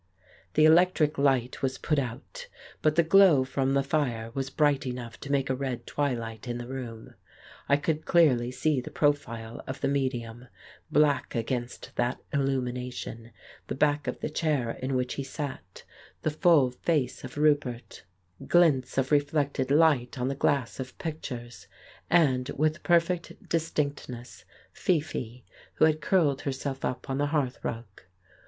The electric light was put out, but the glow from the fire was bright enough to make a red twilight in the room. I could clearly see the profile of the medium, black against that illumination, the back of the chair in which he sat, the full face of Roupert, i59 The Case of Frank Hampden glints of reflected light on the glass of pictures, and, with perfect distinctness, Fifi, who had curled herself up on the hearthrug.